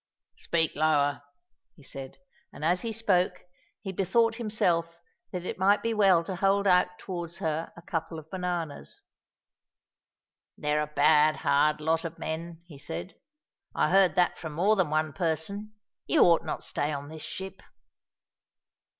"Speak lower," he said; and, as he spoke, he bethought himself that it might be well to hold out towards her a couple of bananas. "They're a bad, hard lot of men," he said. "I heard that from more than one person. You ought not to stay on this ship."